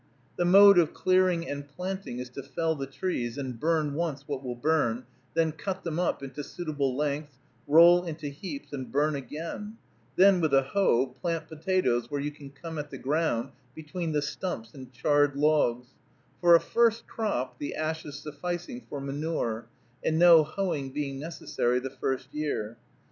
The mode of clearing and planting is to fell the trees, and burn once what will burn, then cut them up into suitable lengths, roll into heaps, and burn again; then, with a hoe, plant potatoes where you can come at the ground between the stumps and charred logs; for a first crop the ashes sufficing for manure, and no hoeing being necessary the first year.